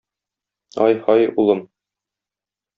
Ай-һай, улым.